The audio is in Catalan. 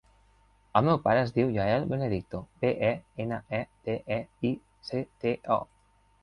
El meu pare es diu Yael Benedicto: be, e, ena, e, de, i, ce, te, o.